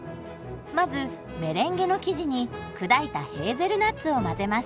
まずメレンゲの生地に砕いたへーゼルナッツを混ぜます。